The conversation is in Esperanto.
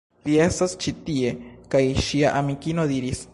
Vi estas ĉi tie! kaj ŝia amikino diris: